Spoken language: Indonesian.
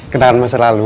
kenal masa lalu